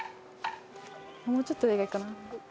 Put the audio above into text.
もうちょっと上がいいかな。